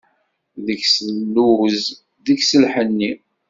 Deg-s lluz, deg-s lḥenni.